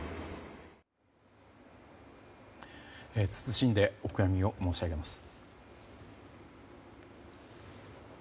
謹んでお悔やみを申し上げます。